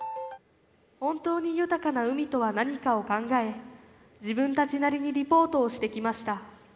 本当に豊かな海とは何かを考え自分たちなりにリポートをしてきました。